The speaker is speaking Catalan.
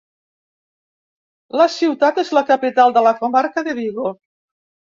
La ciutat és la capital de la comarca de Vigo.